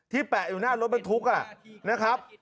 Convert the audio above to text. ที่แปะอยู่หน้ารถเป็นทุกอ่ะนะครับ